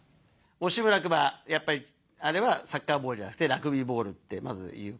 惜しむらくはやっぱりあれはサッカーボールじゃなくてラグビーボールってまずいうこと。